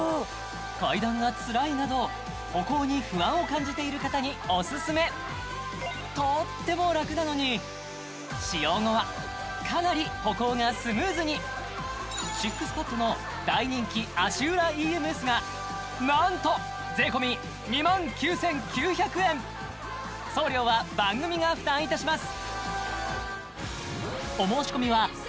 階段がつらいなど歩行に不安を感じている方にオススメとーってもラクなのに使用後はかなり歩行がスムーズにＳＩＸＰＡＤの大人気足裏ＥＭＳがなんと税込２万９９００円送料は番組が負担いたします